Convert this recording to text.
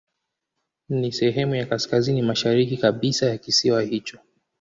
Ni sehemu ya kaskazini mashariki kabisa ya kisiwa hicho.